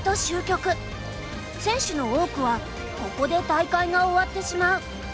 選手の多くはここで大会が終わってしまう。